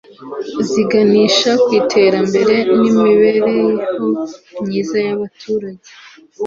ziganisha ku iterambere n'imibereho myiza y'abaturage